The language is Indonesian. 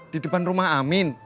di depan rumah amin